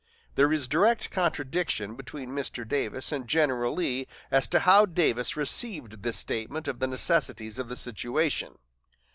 There is direct contradiction between Mr. Davis and General Lee as to how Davis received this statement of the necessities of the situation.